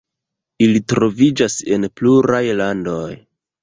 Ili troviĝas en pluraj landoj.